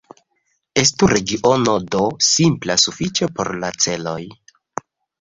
Estu regiono "D" simpla sufiĉe por la celoj.